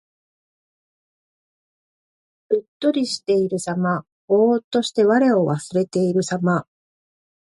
うっとりしているさま。ぼうっとして我を忘れているさま。